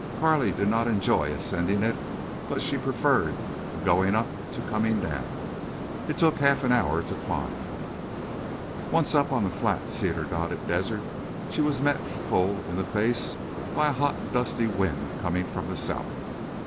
Carley did not enjoy ascending it, but she preferred the going up to coming down. It took half an hour to climb. Once up on the flat cedar dotted desert she was met, full in the face, by a hot dusty wind coming from the south.